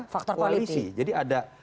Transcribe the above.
faktor politik jadi ada